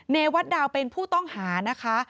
เนวัดดาวเป็นผู้ต้องหานะคะ